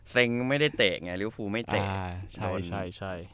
เซงก็ไม่ได้เตะไงริวภูไม่เตะอ่าใช่ใช่ใช่